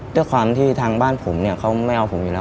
ด้วยความที่ทางบ้านผมเนี่ยเขาไม่เอาผมอยู่แล้ว